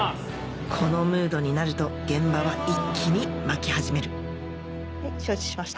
このムードになると現場は一気に巻き始めるはい承知しました。